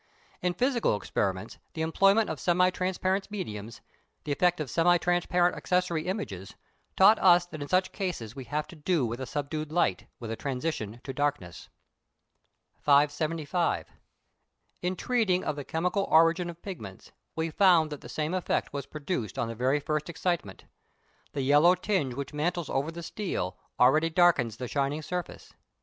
In physical experiments the employment of semi transparent mediums, the effect of semi transparent accessory images, taught us that in such cases we have to do with a subdued light, with a transition to darkness. 575. In treating of the chemical origin of pigments we found that the same effect was produced on the very first excitement. The yellow tinge which mantles over the steel, already darkens the shining surface.